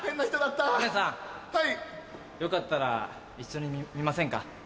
よかったら一緒に見ませんか？